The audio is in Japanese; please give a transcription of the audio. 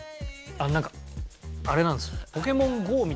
なんかあれなんですよ。